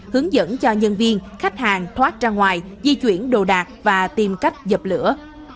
hướng dẫn cho nhân viên khách hàng thoát ra ngoài di chuyển đồ đạc và tìm cách dập lửa